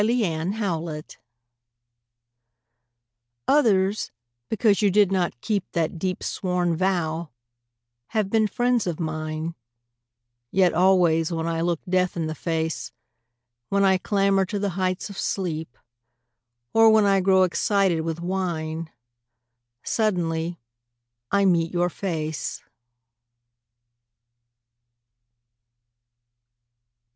A DEEP SWORN VOW Others because you did not keep That deep sworn vow have been friends of mine; Yet always when I look death in the face, When I clamber to the heights of sleep, Or when I grow excited with wine, Suddenly I meet your face.